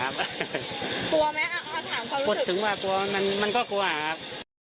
กดถึงว่ากลัวมันก็กลัวอ่ะครับ